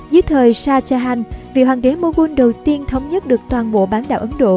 dưới thời shah jahan vị hoàng đế moghul đầu tiên thống nhất được toàn bộ bán đảo ấn độ